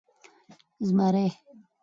🦬 زمری